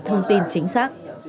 thông tin chính xác